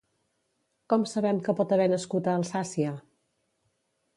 Com sabem que pot haver nascut a Alsàcia?